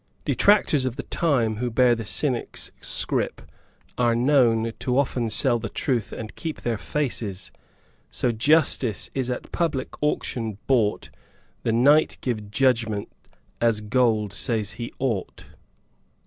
Detractors of the times, who bear the Cynic's scrip, are known To often sell the truth, and keep their faces! So Justice is at public auction bought, The knight gives judgement as Gold says he ought.